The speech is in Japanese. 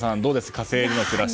火星での暮らし。